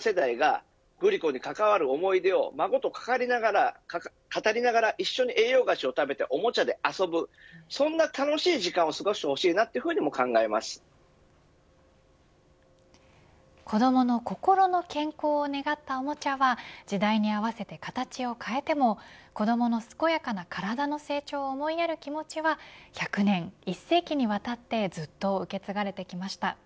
世代がグリコに関わる思い出を孫と語りながら一緒に栄養菓子を食べておもちゃで遊ぶそんな楽しい時間を子どもの心の健康を願ったおもちゃは時代に合わせて形を変えても子どもの健やかな体の成長を思いやる気持ちは１００年、１世紀にわたってずっと受け継がれてきました。